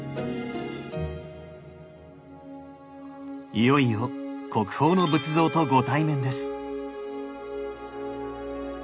いよいよ国宝の仏像とご対面です。